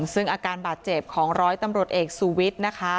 ซึ่งอาการบาดเจ็บของร้อยตำรวจเอกสุวิทย์นะคะ